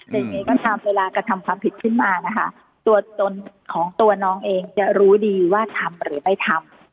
อย่างนี้ก็ตามเวลากระทำความผิดขึ้นมานะคะตัวตนของตัวน้องเองจะรู้ดีว่าทำหรือไม่ทำ